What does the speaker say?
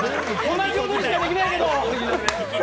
同じ踊りしかできないけど。